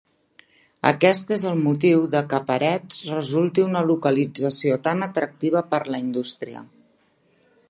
Aquest és el motiu de què Parets resulti una localització tan atractiva per la indústria.